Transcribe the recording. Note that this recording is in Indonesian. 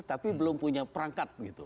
tapi belum punya perangkat